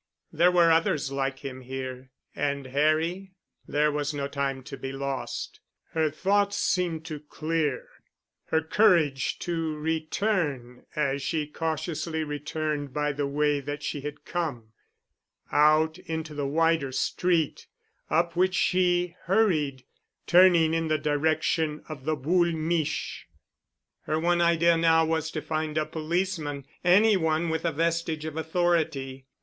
There were others like him here. And Harry.... There was no time to be lost. Her thoughts seemed to clear, her courage to return as she cautiously returned by the way that she had come—out into the wider street, up which she hurried, turning in the direction of the Boule' Miche'. Her one idea now was to find a policeman,—any one with a vestige of authority.